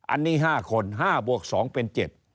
อันนี้๕คน๕บวก๒เป็น๗